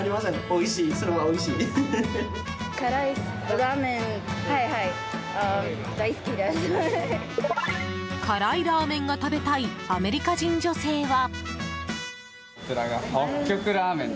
辛いラーメンが食べたいアメリカ人女性は。